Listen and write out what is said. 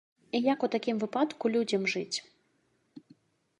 І як у такім выпадку людзям жыць?